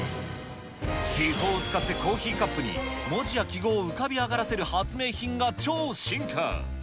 気泡を使ってコーヒーカップに文字や記号を浮かび上がらせる発明品が超進化。